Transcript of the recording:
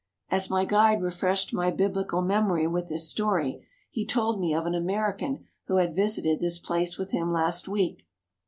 As my guide refreshed my biblical memory with this story, he told me of an American who had visited this place with him last week.